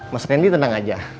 mas rendy tenang aja